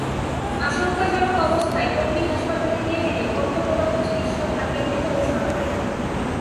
আশঙ্কাজনক অবস্থায় টঙ্গী হাসপাতালে নিয়ে গেলে কর্তব্যরত চিকিৎসক তাঁকে মৃত ঘোষণা করেন।